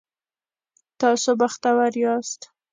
تاسو بختور یاست